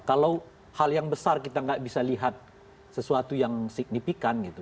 kalau hal yang besar kita nggak bisa lihat sesuatu yang signifikan gitu